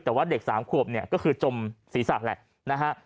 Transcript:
แต่ว่าเด็กสามขวบเนี่ยก็คือจมศีรษะแหละนะฮะ